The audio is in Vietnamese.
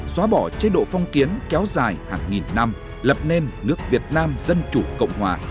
xóa bỏ chế độ phong kiến kéo dài hàng nghìn năm lập nên nước việt nam dân chủ cộng hòa